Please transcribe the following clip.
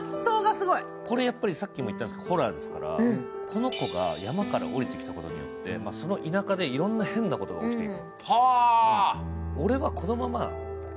これさっきも言ったんですけどホラーですからこの子が山から下りてきたことによってその田舎でいろんな変なことが起きてる。